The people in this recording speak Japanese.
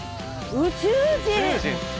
宇宙人！